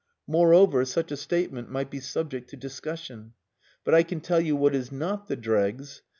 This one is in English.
Moreover, such a statement might be subject to discussion. But I can tell you what is not the dregs.